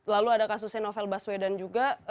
lalu ada kasusnya novel baswedan juga